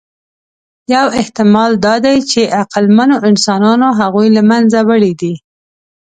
یو احتمال دا دی، چې عقلمنو انسانانو هغوی له منځه وړي دي.